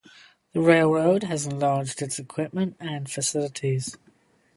The railroad has enlarged its equipment and facilities.